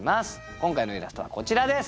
今回のイラストはこちらです。